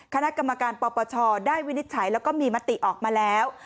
คณะกรรมการปปชได้วินิจฉัยแล้วก็มีมติออกมาแล้ว